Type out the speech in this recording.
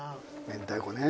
明太子ね。